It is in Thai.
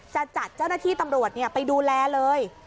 จะจัดเจ้าหน้าที่ตำรวจไปดูแลเลย